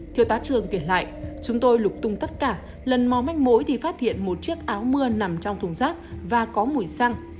thiếu tá trường kể lại chúng tôi lục tung tất cả lần mò manh mối thì phát hiện một chiếc áo mưa nằm trong thùng rác và có mùi xăng